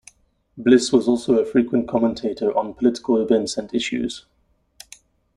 Bliss was also a frequent commentator on political events and issues.